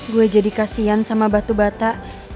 gue jadi kasian sama batu bata